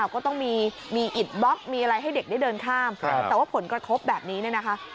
ก็ต้องมีอิดบล็อกมีอะไรให้เด็กได้เดินข้ามแต่ว่าผลกระทบแบบนี้เนี่ยนะคะ